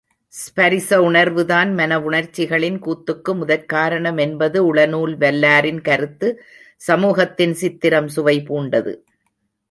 ஸ்பரிச உணர்வு தான் மன வுணர்ச்சிகளின் கூத்துக்கு முதற்காரணம் என்பது உளநூல் வல்லாரின் கருத்து சமூகத்தின் சித்திரம் சுவைபூண்டது.